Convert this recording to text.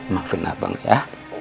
maafin abang ya